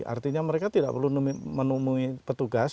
artinya mereka tidak perlu menemui petugas